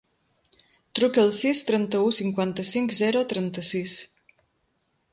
Truca al sis, trenta-u, cinquanta-cinc, zero, trenta-sis.